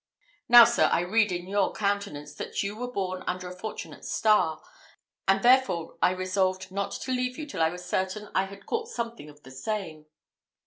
Now, sir, I read in your countenance that you were born under a fortunate star, and, therefore, I resolved not to leave you till I was certain I had caught something of the same."